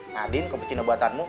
nadine kau bikin obat obatanmu